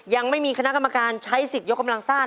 ยังไม่มีคณะกรรมการใช้สิทธิ์ยกกำลังซ่าน